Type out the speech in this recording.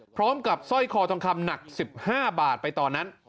พร้อมกับสร้อยคอทองคำหนัก๑๕บาทไปตอนนั้น